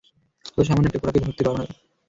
অথচ সামান্য একটা ঘোড়াকে ধরতে পারো না।